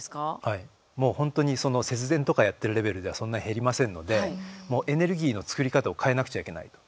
もう本当に節電とかやってるレベルではそんな減りませんのでもうエネルギーの作り方を変えなくちゃいけない。